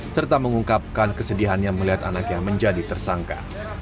serta mengungkapkan kesedihannya melihat anaknya menjadi tersangka